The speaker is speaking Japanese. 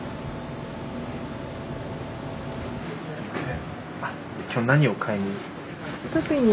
すみません。